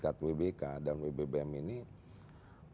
mereka membuat inovasi inovasi yang tujuannya adalah memberikan pelayanan